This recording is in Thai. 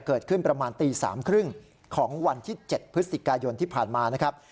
เกิดขึ้นประมาณตี๓๓๐ของวันที่๗พฤศจิกายนที่ผ่านมานะครับ